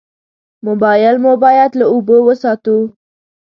موبایل مو باید له اوبو وساتو.